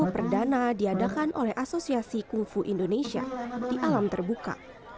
perdana diadakan oleh asosiasi kungfu indonesia di alam terbuka